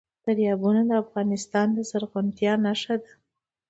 دریابونه د افغانستان د زرغونتیا نښه ده.